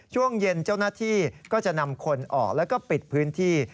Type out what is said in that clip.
ช่วงเย็นเจ้าหน้าที่ก็จะนำคนออกแล้วก็ปิดพื้นที่